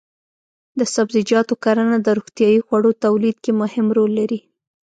د سبزیجاتو کرنه د روغتیايي خوړو تولید کې مهم رول لري.